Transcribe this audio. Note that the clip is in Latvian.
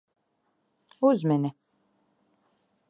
Uzmini.